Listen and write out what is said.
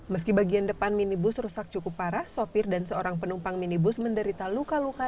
meski bagian depan minibus rusak cukup parah sopir dan seorang penumpang minibus menderita luka luka